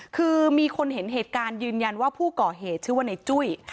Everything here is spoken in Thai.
คือมีคนเห็นเหตุการณ์ยืนยันว่าผู้ก่อเหตุชื่อว่าในจุ้ย